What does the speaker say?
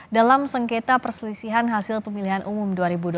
dalam sengketa perselisihan hasil pemilihan umum dua ribu dua puluh